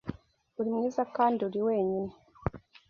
Uri mwiza, kandi uri wenyine